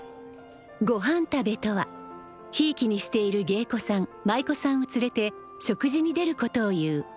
ごはんたべとはひいきにしている芸妓さん舞妓さんを連れて食事に出ることをいう。